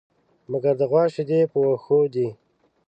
مگر د غوا شيدې په وښو دي.